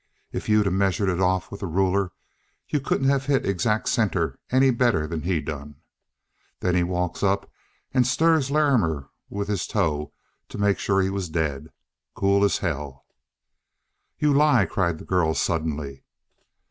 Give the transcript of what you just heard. If you'd measured it off with a ruler, you couldn't have hit exact center any better'n he done. Then he walks up and stirs Larrimer with his toe to make sure he was dead. Cool as hell." "You lie!" cried the girl suddenly.